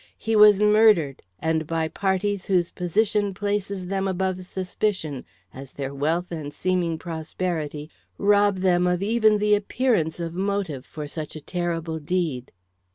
He was murdered, and by parties whose position places them above suspicion, as their wealth and seeming prosperity rob them of even the appearance of motive for such a terrible deed."